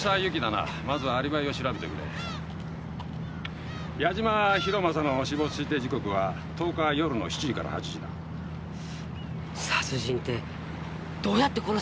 なまずはアリバイを調べてくれ矢島博正の死亡推定時刻は１０日夜の７時から８時だ殺人ってどうやって殺したんですかね？